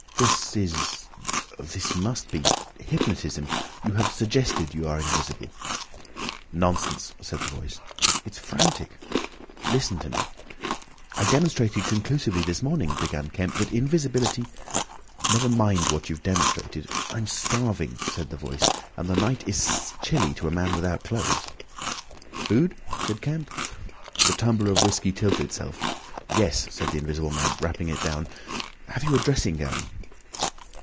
"This is—this must be—hypnotism. You have suggested you are invisible." "Nonsense," said the Voice. "It's frantic." "Listen to me." "I demonstrated conclusively this morning," began Kemp, "that invisibility—" "Never mind what you've demonstrated!—I'm starving," said the Voice, "and the night is chilly to a man without clothes." "Food?" said Kemp. The tumbler of whiskey tilted itself. "Yes," said the Invisible Man rapping it down. "Have you a dressing gown?"